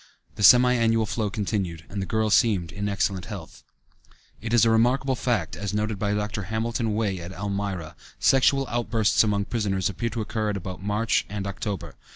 The semi annual flow continued and the girl seemed in excellent health. It is a remarkable fact that, as noted by Dr. Hamilton Wey at Elmira, sexual outbursts among prisoners appear to occur at about March and October.